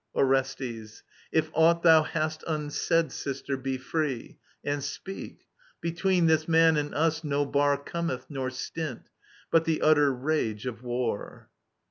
Orestes. If aught thou hast unsaid, sister, be free And speak. Between this man and us no bar Cometh nor stint, but the utter rage of war.